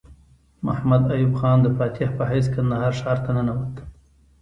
محمد ایوب خان د فاتح په حیث کندهار ښار ته ننوت.